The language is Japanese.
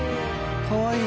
かわいい。